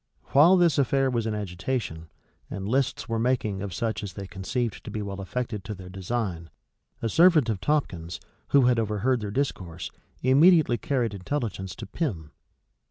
While this affair was in agitation, and lists were making of such as they conceived to be well affected to their design, a servant of Tomkins, who had overheard their discourse, immediately carried intelligence to Pym.